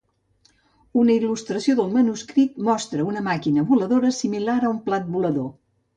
Una il·lustració del manuscrit mostra una màquina voladora similar a un plat volador.